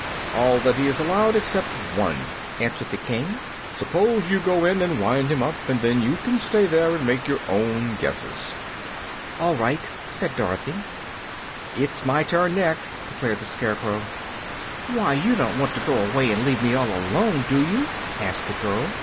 "All that he is allowed except one," answered the King. "Suppose you go in and wind him up, and then you can stay there and make your own guesses." "All right," said Dorothy. "It is my turn next," declared the Scarecrow. "Why, you don't want to go away and leave me all alone, do you?" asked the girl.